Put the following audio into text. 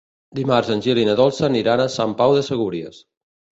Dimarts en Gil i na Dolça aniran a Sant Pau de Segúries.